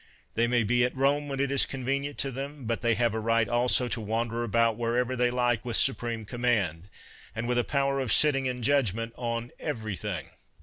They may be at 80 CICERO Rome when it is convenient to them; but they have a right also to wander about wherever they like with supreme command, and with a power of sitting in judgment on everything.